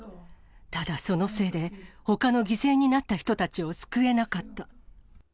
ただ、そのせいで、ほかの犠牲になった人たちを救えなかった。